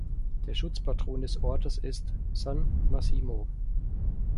Der Schutzpatron des Ortes ist "San Massimo".